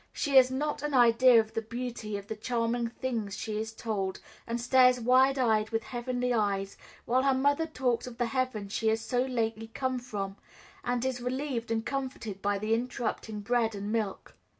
She has not an idea of the beauty of the charming things she is told, and stares wide eyed, with heavenly eyes, while her mother talks of the heaven she has so lately come from, and is relieved and comforted by the interrupting bread and milk.